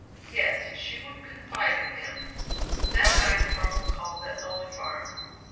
Yes, she would confide in him. That night Farwell called at Lonely Farm.